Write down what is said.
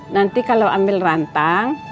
nanti kalau ambil rantang